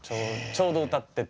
ちょうど歌ってて。